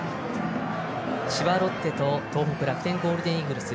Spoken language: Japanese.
千葉ロッテと東北楽天ゴールデンイーグルス